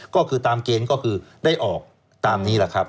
ก็คือตามเกณฑ์ก็คือได้ออกตามนี้แหละครับ